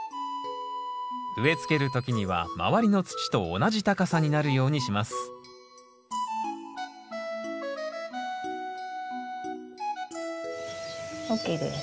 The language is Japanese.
植え付ける時には周りの土と同じ高さになるようにしますＯＫです。